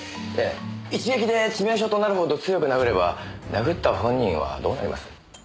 一撃で致命傷となるほど強く殴れば殴った本人はどうなります？